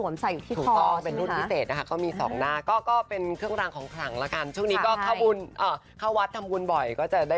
ใบติดมือมาแบบนี้นะค่ะอันทุกคนคณะสาธุทุกท่านด้วยนะค่ะ